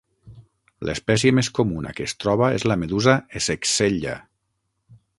L'espècie més comuna que es troba és la medusa "Essexella".